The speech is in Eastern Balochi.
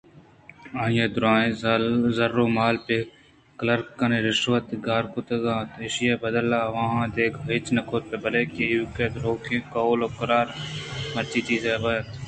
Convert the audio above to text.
آئی ءِ دُرٛاہیں زرّءُمال پہ کلرکانی رشوتءَ گار کُت اَنت ءُایشی ءِ بدلءَآواں دگہ ہچ نہ دات بلکیں ایوک ءَدرٛوگیں قول ءُقرار کہ مرچی چیزے بیت